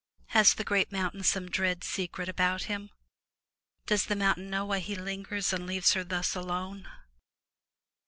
Has the great mountain some dread secret about him — does the mountain know why he lingers and leaves her thus alone?